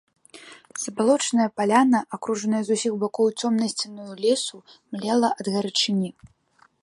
Забалочаная паляна, акружаная з усіх бакоў цёмнай сцяною лесу, млела ад гарачыні.